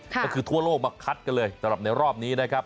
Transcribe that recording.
ก็คือทั่วโลกมาคัดกันเลยสำหรับในรอบนี้นะครับ